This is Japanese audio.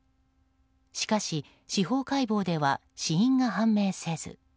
しかし、司法解剖では死因が判明せず。